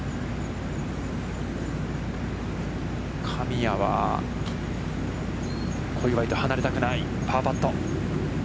神谷は、小祝と離れたくない、パーパット。